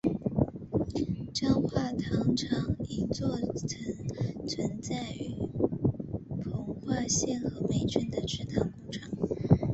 彰化糖厂一座曾存在于彰化县和美镇的制糖工厂。